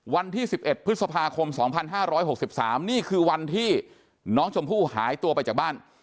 วันที่๑๑พฤษภาคม๒๕๖๓นี่คือวันที่น้องชมพู่หายตัวไปจากบ้าน